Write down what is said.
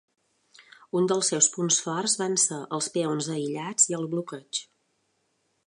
Un dels seus punts forts van ser els peons aïllats i el bloqueig.